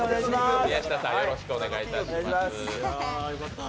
宮下さん、よろしくお願いします。